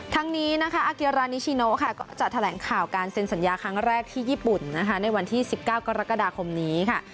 ทั้งนี้นะคะอาเกียรานิชิโนค่ะก็จะแถลงข่าวการเซ็นสัญญาครั้งแรกที่ญี่ปุ่นนะคะในวันที่๑๙กรกฎาคมนี้ค่ะ